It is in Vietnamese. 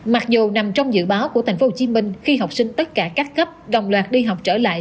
mặc dù nằm trong dự báo của tp hcm khi học sinh tất cả các cấp đồng loạt đi học trở lại